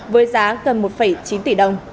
với giá gần một chín tỷ đồng